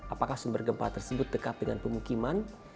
apakah sumber gempa tersebut dekat dengan pemukiman